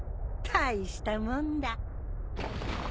大したもんだ。